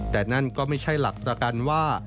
แต่นั่นก็ไม่ใช่หลักประกันว่า